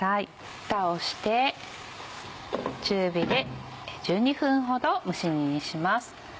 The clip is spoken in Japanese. ふたをして中火で１２分ほど蒸し煮にします。